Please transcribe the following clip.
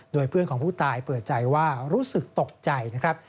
โดยเพื่อนของผู้ตายเปิดใจว่ารู้สึกตกใจนะครับ